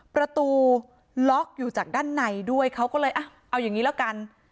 ประตูล็อกอยู่จากด้านในด้วยเขาก็เลยอ่ะเอาอย่างนี้แล้วกัน